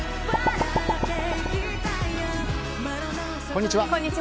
こんにちは。